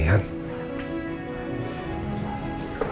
ada apa sarah